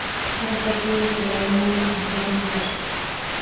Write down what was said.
އެރަށަކީ ވެސް ޅެން ވެރިން އުފެދުނު ރަށެއް